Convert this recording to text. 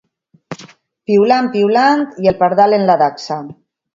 Piulant, piulant, i el pardal en la dacsa.